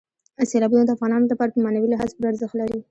سیلابونه د افغانانو لپاره په معنوي لحاظ پوره ارزښت لري.